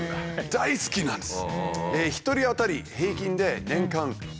大好きなんです。